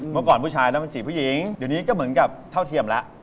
เมื่อก่อนผู้ชายแล้วมันจีบผู้หญิงเดี๋ยวนี้ก็เหมือนกับเท่าเทียมแล้ว